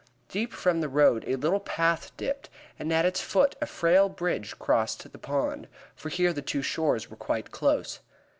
Down from the road a little path dipped, and at its foot a frail bridge crossed the pond; for here the two shores were quite close.